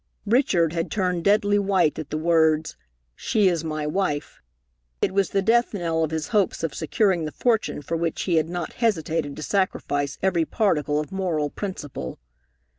Richard had turned deadly white at the words, "She is my wife!" It was the death knell of his hopes of securing the fortune for which he had not hesitated to sacrifice every particle of moral principle.